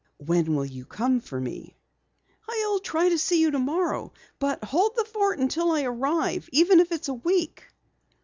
"When will you come for me?" "I'll try to see you tomorrow. But hold the fort until I arrive even if it's a week."